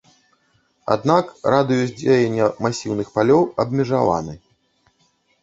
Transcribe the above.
Аднак, радыус дзеяння масіўных палёў абмежаваны.